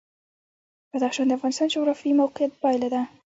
بدخشان د افغانستان د جغرافیایي موقیعت پایله ده.